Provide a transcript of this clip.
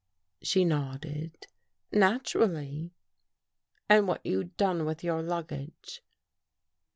She nodded. " Naturally." "And what you'd done with your luggage?"